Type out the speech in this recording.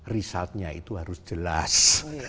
resultnya itu harus jelas